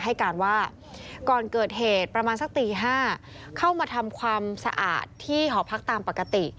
ให้การว่าก่อนเกิดเหตุประมาณสักตี๕เข้ามาทำความสะอาดที่หอพักตามปกติ